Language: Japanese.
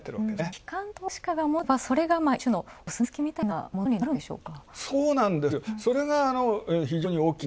機関投資家が持てばそれが一種のお墨付きみたいなものになるんでしょうか？